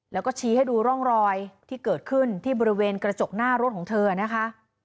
แล้วก็ชี้ให้ดูร่องรอยที่เกิดขึ้นที่บริเวณกระจกหน้ารถของเธอนะคะ